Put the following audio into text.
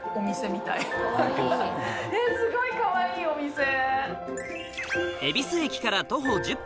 えっすごいかわいいお店。